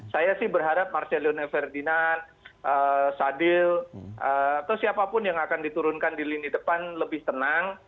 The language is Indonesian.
saya sih berharap marcelino ferdinand sadil atau siapapun yang akan diturunkan di lini depan lebih tenang